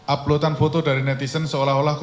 upload an foto dari netizen seolah olah korban tersebut